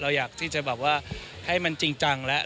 อยากที่จะแบบว่าให้มันจริงจังแล้ว